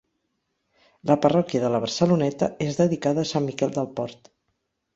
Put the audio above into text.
La parròquia de la Barceloneta és dedicada a Sant Miquel del Port.